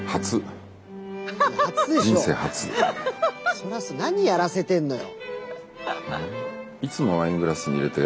そりゃそう何やらせてんのよ。